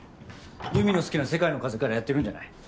優美の好きな『世界の風から』やってるんじゃない？